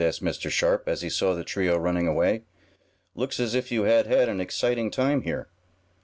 asked Mr. Sharp, as he saw the trio running away. "Looks as if you had had an exciting time here."